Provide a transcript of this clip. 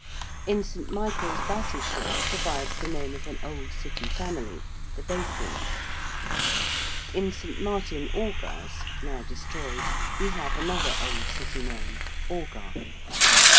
In St. Michael's Bassishaw survives the name of an old City family the Basings. In St. Martin Orgar's now destroyed we have another old City name Orgar.